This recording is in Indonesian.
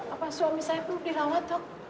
apa suami saya pun dirawat dok